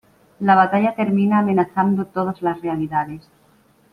La batalla termina amenazando todas las realidades.